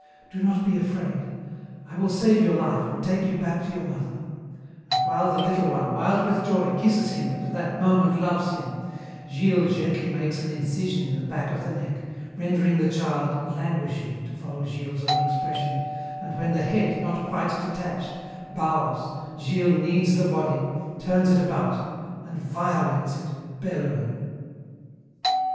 Do not be afraid. I will save your life and take you back to your mother,' and while the little one, wild with joy, kisses him and at that moment loves him, Gilles gently makes an incision in the back of the neck, rendering the child 'languishing,' to follow Gilles's own expression, and when the head, not quite detached, bows, Gilles kneads the body, turns it about, and violates it, bellowing.